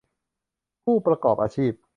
ผู้ประกอบอาชีพ